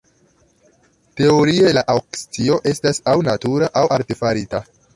Teorie la aŭkcio estas aŭ natura aŭ artefarita.